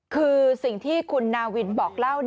คือสิ่งที่คุณนาวินบอกเล่า